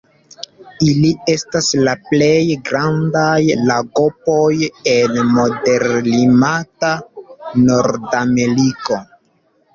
Ili estas la plej grandaj lagopoj el moderklimata Nordameriko.